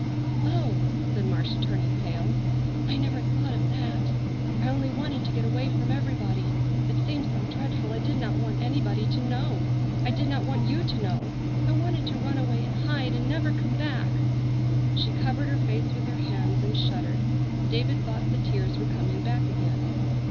"Oh!" said Marcia, turning pale, "I never thought of that. I only wanted to get away from everybody. It seemed so dreadful I did not want anybody to know. I did not want you to know. I wanted to run away and hide, and never come back!" She covered her face with her hands and shuddered. David thought the tears were coming back again.